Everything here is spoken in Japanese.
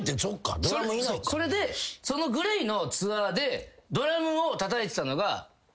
それでそのＧＬＡＹのツアーでドラムをたたいてたのが。